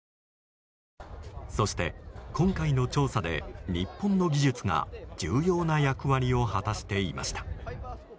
そして、今回の調査で日本の技術が重要な役割を果たしていました。